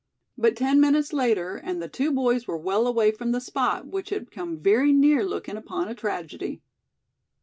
But ten minutes later, and the two boys were well away from the spot which had come very near looking upon a tragedy.